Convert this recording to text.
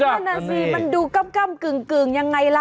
นั่นน่ะสิมันดูกำกึ่งยังไงล่ะ